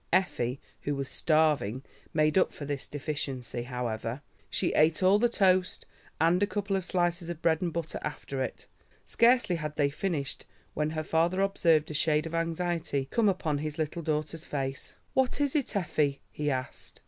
Effie, who was starving, made up for this deficiency, however; she ate all the toast and a couple of slices of bread and butter after it. Scarcely had they finished, when her father observed a shade of anxiety come upon his little daughter's face. "What is it, Effie?" he asked.